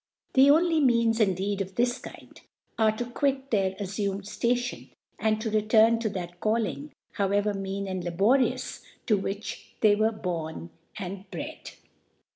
The oaly M^^ans, indeed, of this Kind, are fo quit their ^ffiifned iSt^ tioD, and to r^urn to that Callmg, however mean and laborious, to which they were born and br^d.